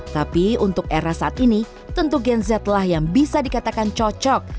tapi untuk era saat ini tentu gen z lah yang bisa dikatakan cocok